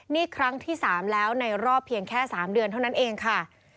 นี่ครั้งที่๓แล้วในรอบเพียงแค่๓เดือนเท่านั้นเองค่ะ